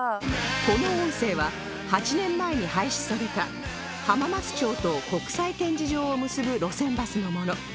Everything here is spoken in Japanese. この音声は８年前に廃止された浜松町と国際展示場を結ぶ路線バスのもの